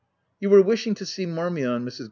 "You were wishing to see Marmion, Mrs. VOL.